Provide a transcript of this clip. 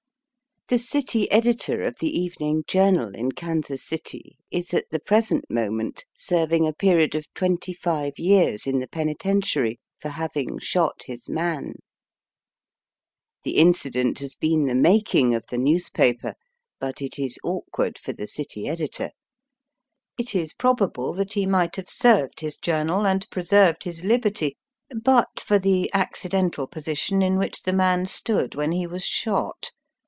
The city editor of the even ing journal in Kansas City is at the present moment serving a period of twenty five years in the penitentiary for having shot his man. The incident has been the making of the newspaper, but it is awkward for the city editor. It is probable that he might have served his journal and preserved his liberty but for the accidental position 'in which the man stood when he was shot.